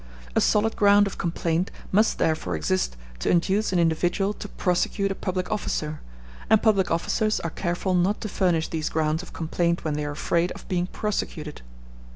A solid ground of complaint must therefore exist to induce an individual to prosecute a public officer, and public officers are careful not to furnish these grounds of complaint when they are afraid of being prosecuted.